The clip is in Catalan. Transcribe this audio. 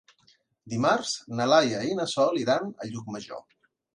Dimarts na Laia i na Sol iran a Llucmajor.